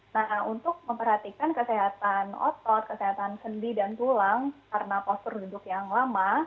nah untuk memperhatikan kesehatan otot kesehatan sendi dan tulang karena postur duduk yang lama